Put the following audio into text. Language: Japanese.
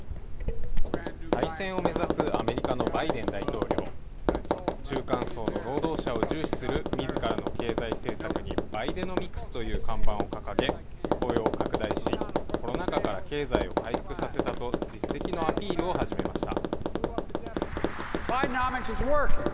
再選を目指すアメリカのバイデン大統領中間層の労働者を重視する自らの経済政策にバイデノミクスという看板を掲げ、雇用を拡大し、この中から経済を回復させたと実績のアピールを始めました。